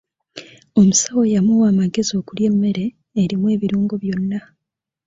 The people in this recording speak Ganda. Omusawo yamuwa amagezi okulya emmere erimu ebirungo byonna.